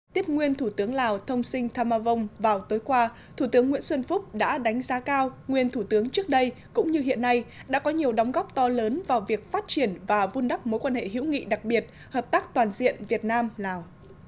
tiếp nguyên thủ tướng lào thông sinh tha mang vào tối qua thủ tướng nguyễn xuân phúc đã đánh giá cao nguyên thủ tướng trước đây cũng như hiện nay đã có nhiều đóng góp to lớn vào việc phát triển và vun đắp mối quan hệ hữu nghị đặc biệt hợp tác toàn diện việt nam lào